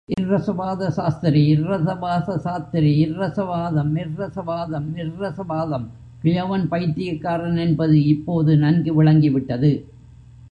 ர்ரசவாத சாஸ்திரி ர்ரசவாத சாஸ்திரி, ர்ரசவாதம் ர்ரசவாதம், ர்ரசவாதம். கிழவன் பைத்தியக்காரன் என்பது இப்போது நன்கு விளங்கிவிட்டது.